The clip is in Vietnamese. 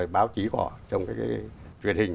báo chí của họ trong truyền hình